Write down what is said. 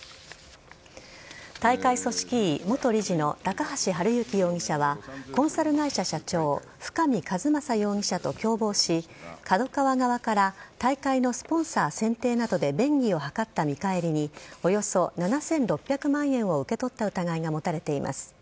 大会組織委元理事の高橋治之容疑者はコンサル会社社長深見和政容疑者と共謀しＫＡＤＯＫＡＷＡ側から大会のスポンサー選定などで便宜を図った見返りにおよそ７６００万円を受け取った疑いが持たれています。